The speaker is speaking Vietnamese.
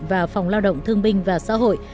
và phòng lao động thương binh và xã hội